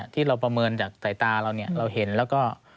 ที่เราประเมินจากสายตาเราเนี่ยเราเห็นแล้วก็